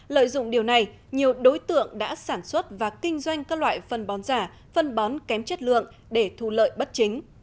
lợi dụng điều này nhiều đối tượng đã sản xuất và kinh doanh các loại phân bón giả phân bón kém chất lượng để thu lợi bất chính